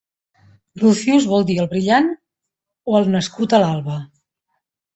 "Lucius" vol dir "el brillant" o "el nascut a l'alba".